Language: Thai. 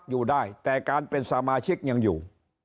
นี้ถูกหาได้แต่ความเป็นสมาชิกยังอยู่